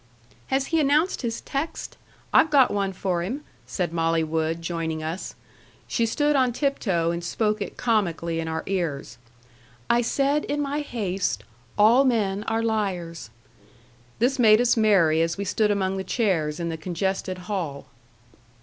"Has he announced his text? I've got one for him," said Molly Wood, joining us. She stood on tiptoe and spoke it comically in our ears. "'I said in my haste, All men are liars.'" This made us merry as we stood among the chairs in the congested hall.